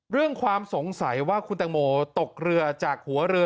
ความสงสัยว่าคุณตังโมตกเรือจากหัวเรือ